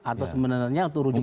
atau sebenarnya untuk rujuk p tiga